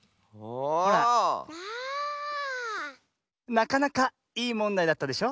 なかなかいいもんだいだったでしょ。